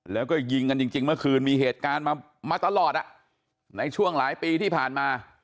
แล้วก็ยิงกันจริงเมื่อคืนมีเหตุการณ์มาตลอดในช่วงหลายปีที่ผ่านมา